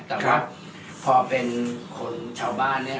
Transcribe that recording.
แต่ว่าพอเป็นคนชาวบ้านเนี่ย